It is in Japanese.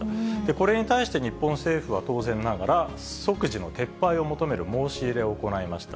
これに対して日本政府は当然ながら、即時の撤廃を求める申し入れを行いました。